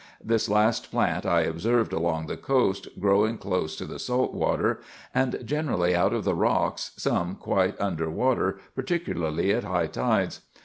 This last plant I observed along the coast, growing close to the salt water, and generally out of the rocks, some quite under water, particularly at high tides.